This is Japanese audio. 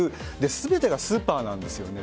全てがスーパーなんですよね。